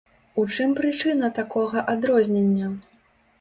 У чым прычына такога адрознення?